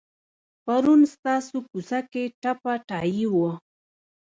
پرون ستاسو کوڅه کې ټپه ټایي وه.